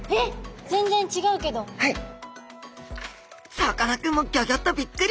さかなクンもギョギョッとびっくり！